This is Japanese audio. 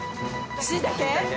しいたけ？